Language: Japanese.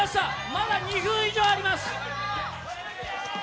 まだ２分以上あります。